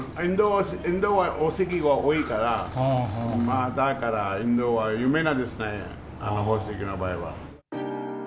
インドは宝石が多いから、だからインドは、夢なんですね、宝石の場合は。